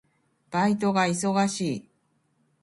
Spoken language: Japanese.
バイトが忙しい。